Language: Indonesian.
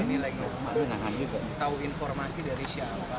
ini lagi tahu informasi dari siapa